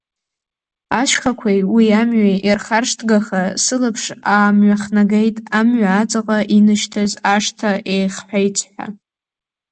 Ашьхақәеи уи амҩеи ирхаршҭгаха сылаԥш аамҩахнагеит амҩа аҵаҟа инашьҭыз ашҭа еихҳәа-еиҵҳәа.